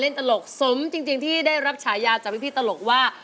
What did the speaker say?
ตลกสมจริงที่ได้รับฉายาจากพี่ตลกว่า